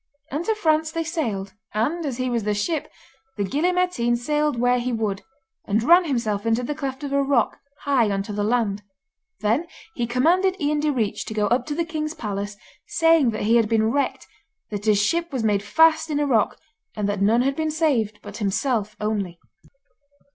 And to France they sailed, and, as he was the ship, the Gille Mairtean sailed where he would, and ran himself into the cleft of a rock, high on to the land. Then, he commanded Ian Direach to go up to the king's palace, saying that he had been wrecked, that his ship was made fast in a rock, and that none had been saved but himself only.